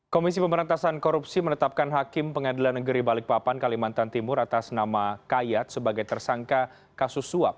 komisi pemberantasan korupsi menetapkan hakim pengadilan negeri balikpapan kalimantan timur atas nama kayat sebagai tersangka kasus suap